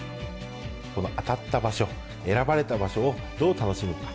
当たった場所、選ばれた場所をどう楽しむか。